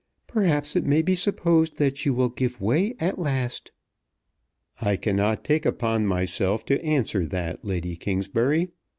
Perhaps it may be supposed that she will give way at last." "I cannot take upon myself to answer that, Lady Kingsbury.